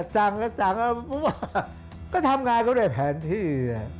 สั่งก็สั่งก็ทำงานก็ด้วยแผนที่